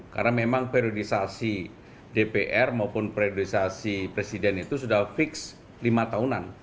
karena memang periodisasi dpr maupun periodisasi presiden itu sudah fix lima tahunan